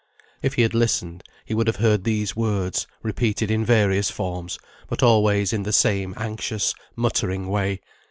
If he had listened, he would have heard these words, repeated in various forms, but always in the same anxious, muttering way.